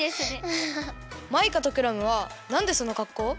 マイカとクラムはなんでそのかっこう？